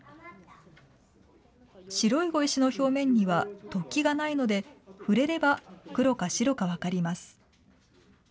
白い碁石の表面には、突起がないので、触れれば黒か白か分かります。